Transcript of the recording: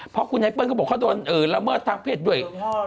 พ่อคุณไอ้เป้าก็บอกเขาโดนละเมิดทางเพศด้วย